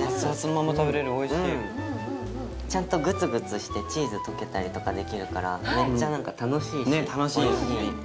熱々のまま食べられるおいしいちゃんとグツグツしてチーズ溶けたりとかできるからめっちゃ楽しいしおいしいねっ楽しいよね